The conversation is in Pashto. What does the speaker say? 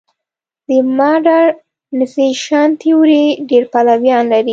د موډرنیزېشن تیوري ډېر پلویان لري.